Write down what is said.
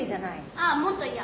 あもっといや。